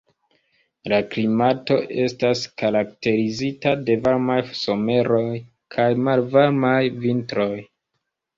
La klimato estas karakterizita de varmaj someroj kaj malvarmaj vintroj.